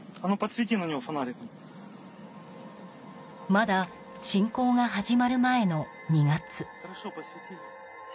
まだ侵攻が始まる前の２月。